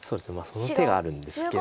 その手があるんですけど。